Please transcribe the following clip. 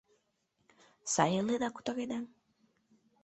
— Сай иледа, кутыреда?